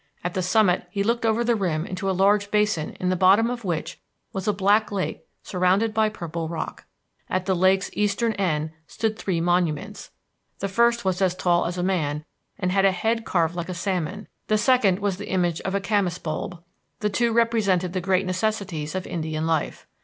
At the summit he looked over the rim into a large basin in the bottom of which was a black lake surrounded by purple rock. At the lake's eastern end stood three monuments. The first was as tall as a man and had a head carved like a salmon; the second was the image of a camas bulb; the two represented the great necessities of Indian life.